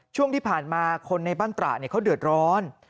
ช่วงที่ผ่านมาคนในบ้านตระเขาเดือดร้อน